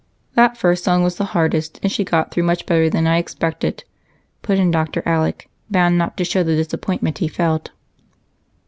"That first song was the hardest, and she got through much better than I expected," put in Dr. Alec, bound not to show the disappointment he felt.